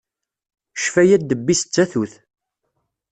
Ccfaya ddebb-is d tatut.